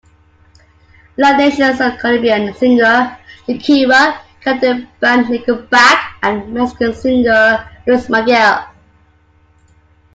Live Nation signed Colombian singer Shakira, Canadian band Nickelback and Mexican singer Luis Miguel.